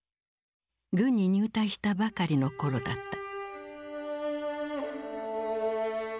軍に入隊したばかりの頃だった。